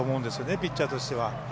ピッチャーとしては。